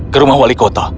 ke rumah wali kota